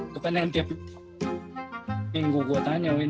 depan yang tiap minggu gue tanya winn